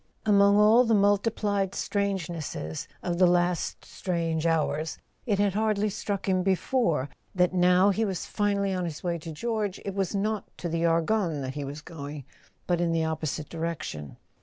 Among all the multiplied strangenesses of the last strange hours it had hardly struck him before that, now he was finally on his way to George, it was not [ 263 ] A SON AT THE FRONT to the Argonne that he was going, but in the opposite direction.